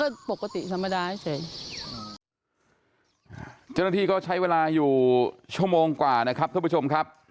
เจ้าหน้าที่ก็ใช้เวลาอยู่ชั่วโมงกว่านะครับท่านผู้ชมครับ